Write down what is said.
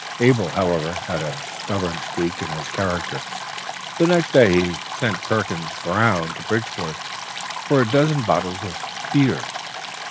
"Abel, however, had a stubborn streak in his character. The next day he sent Perkins Brown to Bridgeport for a dozen bottles of 'Beer.'